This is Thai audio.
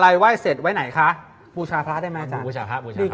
เล็กเล็กเล็กเล็กเล็กเล็กเล็กเล็กเล็กเล็กเล็ก